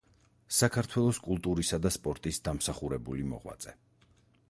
საქართველოს კულტურისა და სპორტის დამსახურებული მოღვაწე.